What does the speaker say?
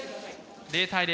０対０。